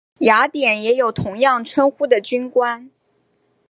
雅典也有同样称呼的军官。